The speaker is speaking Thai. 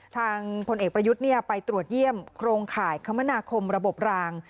พลเอกประยุทธ์ไปตรวจเยี่ยมโครงข่ายคมนาคมระบบราง